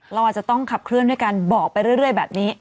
เราอาจจะต้องขับเคลื่อนด้วยการบอกไปเรื่อยแบบนี้